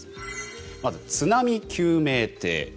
まず津波救命艇。